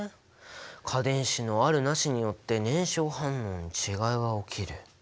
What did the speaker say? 価電子のあるなしによって燃焼反応に違いが起きる。